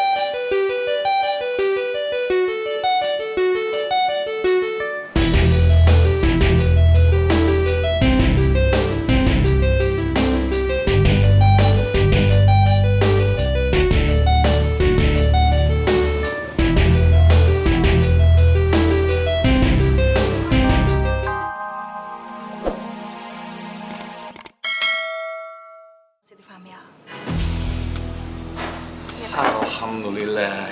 sampai jumpa di video selanjutnya